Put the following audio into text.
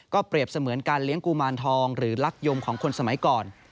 เปรียบเสมือนการเลี้ยงกุมารทองหรือลักยมของคนสมัยก่อน